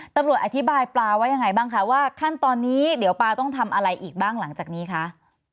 ตำรวจอธิบายปลาว่ายังไงบ้างคะว่าขั้นตอนนี้เดี๋ยวปลาต้องทำอะไรอีกบ้างหลังจากนี้คะ